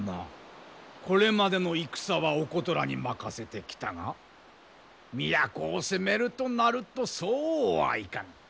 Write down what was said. これまでの戦はおことらに任せてきたが都を攻めるとなるとそうはいかぬ。